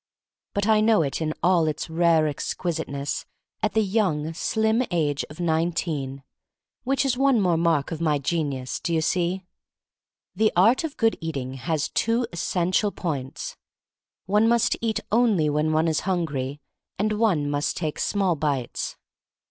But I know it in all its rare exquisite ness at the young slim age of nineteen — which is one more mark of my genius, do you see? The art of Good Eating has two essential points: one must eat only when one is hungry, and one must take small bites.